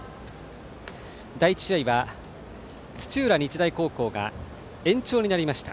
第１試合は土浦日大高校が延長になりました。